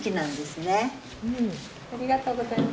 ありがとうございます。